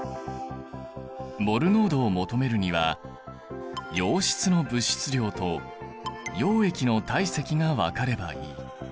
モル濃度を求めるには溶質の物質量と溶液の体積が分かればいい。